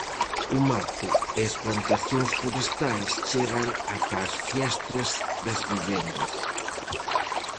O mato e as plantacións forestais chegan ata as fiestras das vivendas.